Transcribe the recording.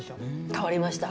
変わりました。